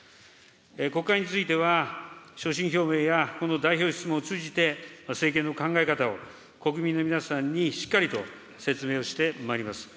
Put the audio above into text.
国会については、所信表明やこの代表質問を通じて、政権の考え方を国民の皆さんにしっかりと説明をしてまいります。